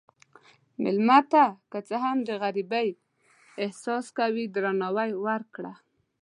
مېلمه ته که څه هم د غریبۍ احساس کوي، درناوی ورکړه.